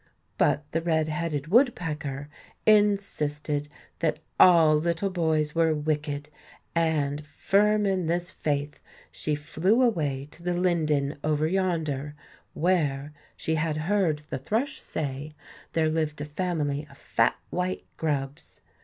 But the red headed woodpecker insisted that all little boys were wicked; and, firm in this faith, she flew away to the linden over yonder, where, she had heard the thrush say, there lived a family of fat white grubs.